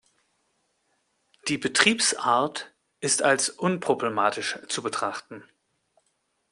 Die Betriebsart ist als unproblematisch zu betrachten.